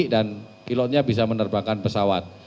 dan pilotnya bisa menerbangkan pesawat